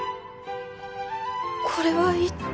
これは一体